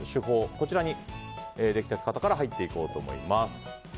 こちらにできた方から入っていこうと思います。